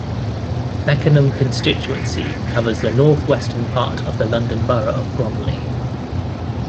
Beckenham constituency covers the north-western part of the London Borough of Bromley.